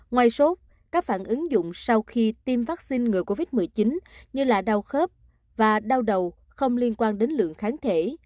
ngoài sốt các phản ứng dụng sau khi tiêm vaccine ngừa covid một mươi chín như là đau khớp và đau đầu không liên quan đến lượng kháng thể